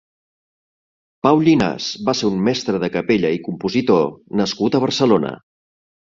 Pau Llinàs va ser un mestre de capella i compositor nascut a Barcelona.